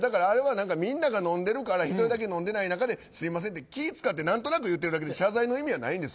みんなが飲んでるから１人だけ飲んでない中で気を使って何となく言ってるだけで謝罪の意味はないんです。